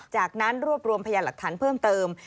จากนั้นรวบรวมพยานหลักฐานเพิ่มเติม